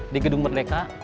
di gedung merdeka